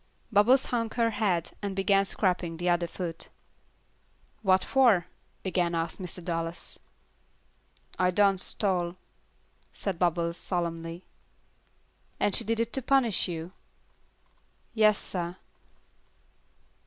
Bubbles hung her head, and began scraping the other foot. "What for?" again asked Mr. Dallas. "I done stole," said Bubbles, solemnly. "And she did it to punish you?" "Yas, sah."